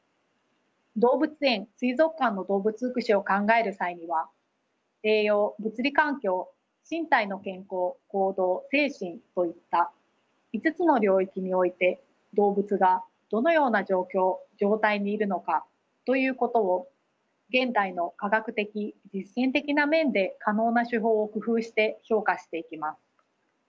動物園水族館の動物福祉を考える際には栄養物理環境身体の健康行動精神といった５つの領域において動物がどのような状況状態にいるのかということを現代の科学的実践的な面で可能な手法を工夫して評価していきます。